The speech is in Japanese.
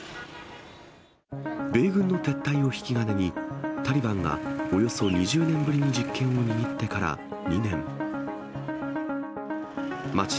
米軍の撤退を引き金に、タリバンがおよそ２０年ぶりに実権を握ってから２年。